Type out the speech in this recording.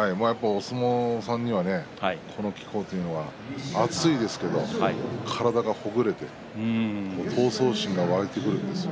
お相撲さんにはこの気候というのは暑いですけれど体がほぐれて闘争心が湧いてくるんですよ。